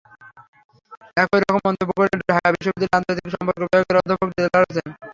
একই রকম মন্তব্য করলেন ঢাকা বিশ্ববিদ্যালয়ের আন্তর্জাতিক সম্পর্ক বিভাগের অধ্যাপক দেলোয়ার হোসেন।